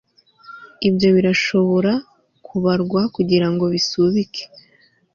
Ibyo birashobora kubarwa kugirango bisubike